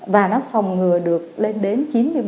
và nó phòng ngừa được lên đến chín mươi ba